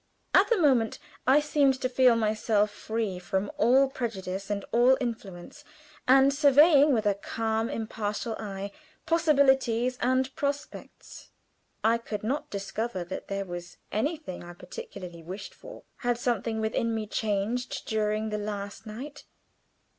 At the moment I seemed to feel myself free from all prejudice and all influence, and surveying with a calm, impartial eye possibilities and prospects, I could not discover that there was anything I particularly wished for. Had something within me changed during the last night?